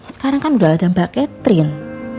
sekarang kan udah ada mbak catherine